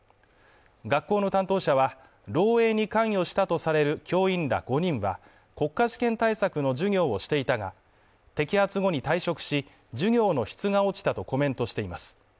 学校の担当者は、漏えいに関与したとされる教員ら５人は国家試験対策の授業をしていたが、摘発後に退職し、授業の質が落ちたとコメントしています。